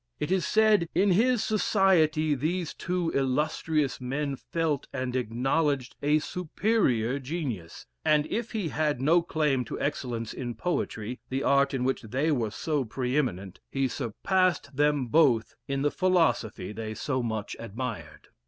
It is said, "In his society these two illustrious men felt and acknowledged a superior genius; and if he had no claim to excellence in poetry the art in which they were so pre eminent he surpassed them both in the philosophy they so much admired."